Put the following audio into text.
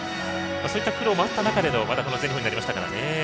そういった苦労もあった中での全日本になりましたね。